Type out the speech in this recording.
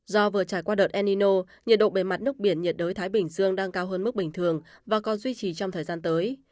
do vừa trải qua đợt enino nhiệt độ bề mặt nước biển nhiệt đới thái bình dương đang cao hơn mức bình thường và còn duy trì trong thời gian tới